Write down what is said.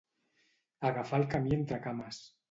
Agafar el camí entre cames.